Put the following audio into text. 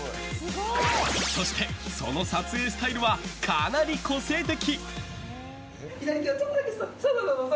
そして、その撮影スタイルはかなり個性的。